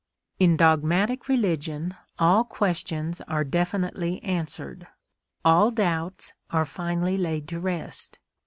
In dogmatic religion all questions are definitely answered, all doubts are finally laid to rest.